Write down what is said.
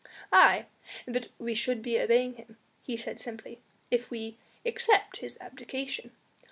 "Aye! but we should be obeying him," he said simply, "if we accept his abdication."